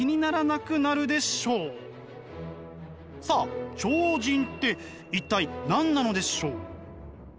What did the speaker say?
さあ超人って一体何なのでしょう？